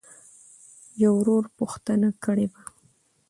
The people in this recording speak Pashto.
يــوه ورورپوښـتـنــه کــړېــوه.؟